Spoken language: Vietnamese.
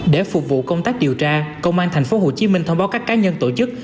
để phục vụ công tác điều tra công an thành phố hồ chí minh thông báo các cá nhân tổ chức